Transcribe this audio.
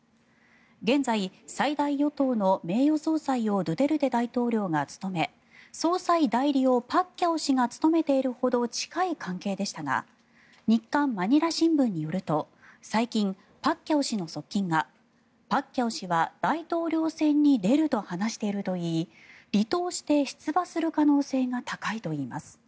現在、最大与党の名誉総裁をドゥテルテ大統領が務め総裁代理をパッキャオ氏が務めているほど近い関係でしたが日刊まにら新聞によると最近、パッキャオ氏の側近がパッキャオ氏は大統領選に出ると話しているといい離党して出馬する可能性が高いといいます。